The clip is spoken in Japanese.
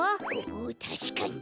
おおたしかに。